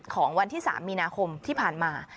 ของวันที่๓มีนาคมที่ผ่านมา